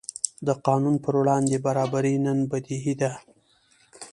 د قانون پر وړاندې برابري نن بدیهي ده.